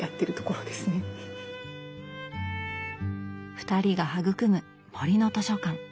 ２人が育む「森の図書館」